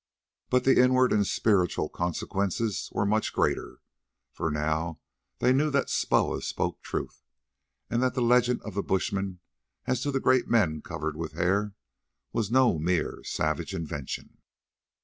But the inward and spiritual consequences were much greater, for now they knew that Soa spoke truth and that the legend of the bushmen as to "great men covered with hair" was no mere savage invention.